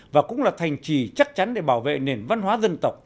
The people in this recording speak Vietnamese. và cũng là thành trì chắc chắn để bảo vệ nền văn hóa dân tộc